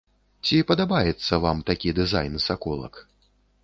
Ці падабаецца вам такі дызайн саколак?